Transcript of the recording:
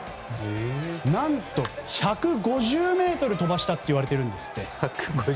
何と１５０ｍ飛ばしたっていわれているんですって。